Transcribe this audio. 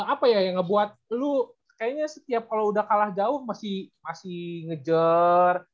apa ya yang ngebuat lu kayaknya setiap kalau udah kalah jauh masih ngejar